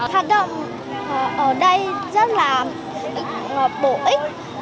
hạt động ở đây rất là bổ ích